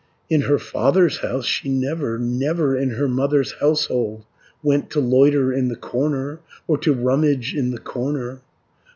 In her father's house she never, Never in her mother's household, 110 Went to loiter in the corner, Or to rummage in the corner.